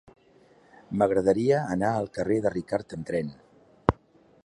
M'agradaria anar al carrer de Ricart amb tren.